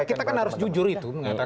kita kan harus jujur itu mengatakan